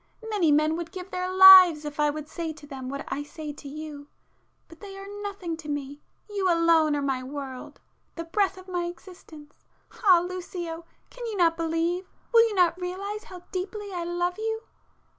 Many men would give their lives if I would say to them what I say to you,—but they are nothing to me—you alone are my world,—the breath of my existence!—ah, Lucio, can you not believe, will you not realize how deeply I love you!"